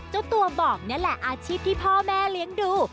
เจ้าตัวบอกนี่แหละอาชีพที่พ่อแม่เลี้ยงดู